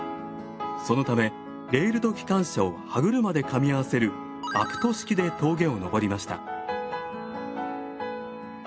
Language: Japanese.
そのためレールと機関車を歯車でかみ合わせるアプト式で峠を登りました。